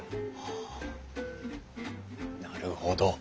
あなるほど。